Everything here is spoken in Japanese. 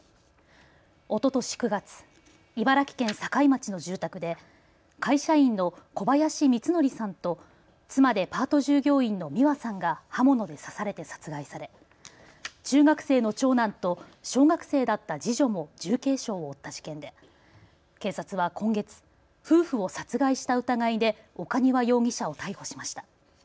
おととし９月、茨城県境町の住宅で会社員の小林光則さんと妻でパート従業員の美和さんが刃物で刺されて殺害され中学生の長男と小学生だった次女も重軽傷を負った事件で警察は今月、夫婦を殺害した疑いで岡庭容疑者を逮捕しました。